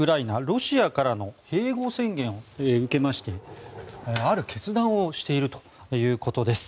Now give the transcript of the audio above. ロシアからの併合宣言を受けましてある決断をしているということです。